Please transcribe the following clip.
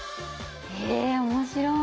へえ面白い。